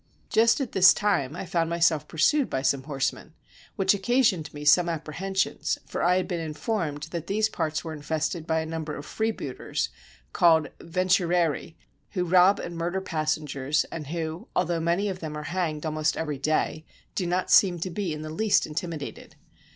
Just at this time I found myself pursued by some horsemen, which occasioned me some apprehensions, for I had been informed that these parts were infested by numbers of freebooters, called Venturieri, who rob and murder passengers, and who, though many of them are hanged almost every day, do not seem to be in the least intimidated.